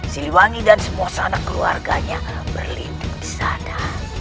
siliwangi dan semua sanak keluarganya berlindung di sana